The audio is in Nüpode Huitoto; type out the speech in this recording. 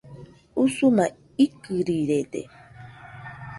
Usuma ikɨrirede